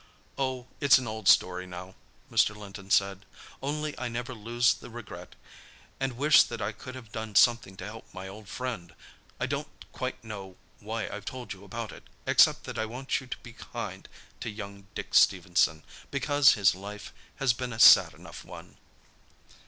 "Oh, it's an old story, now," Mr. Linton said. "Only I never lose the regret—and wish that I could have done something to help my old friend. I don't quite know why I've told you about it, except that I want you to be kind to young Dick Stephenson, because his life has been a sad enough one."